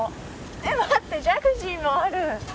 待って、ジャグジーもある。